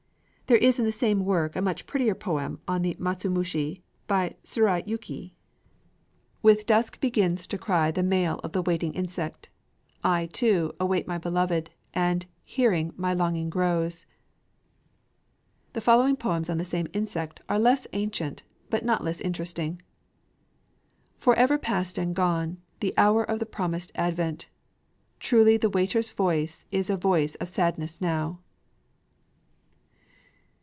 There is in the same work a much prettier poem on the matsumushi by Tsurayuki. With dusk begins to cry the male of the Waiting insect; I, too, await my beloved, and, hearing, my longing grows. The following poems on the same insect are less ancient but not less interesting: Forever past and gone, the hour of the promised advent! Truly the Waiter's voice is a voice of sadness now!